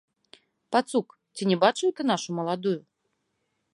Пацук, ці не бачыў ты нашу маладую?